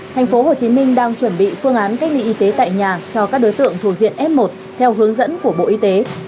tp hcm đang chuẩn bị phương án cách ly y tế tại nhà cho các đối tượng thuộc diện f một theo hướng dẫn của bộ y tế